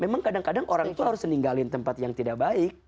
memang kadang kadang orang itu harus meninggalin tempat yang tidak baik